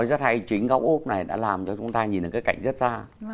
rất hay chính góc úp này đã làm cho chúng ta nhìn được cái cạnh rất xa